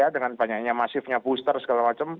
dengan banyaknya masifnya booster segala macam